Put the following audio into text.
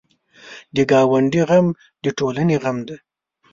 د ګاونډي غم د ټولنې غم دی